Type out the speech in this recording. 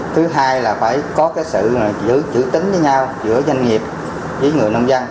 thứ hai là phải có sự giữ tính với nhau giữa doanh nghiệp với người nông dân